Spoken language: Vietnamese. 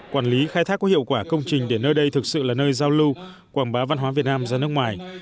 quản lý khai thác có hiệu quả công trình để nơi đây thực sự là nơi giao lưu quảng bá văn hóa việt nam ra nước ngoài